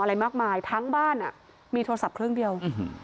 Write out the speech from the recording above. อะไรมากมายทั้งบ้านอ่ะมีโทรศัพท์เครื่องเดียว